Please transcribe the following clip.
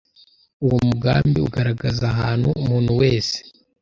Uwo mugambi ugaragaza ahantu umuntu wese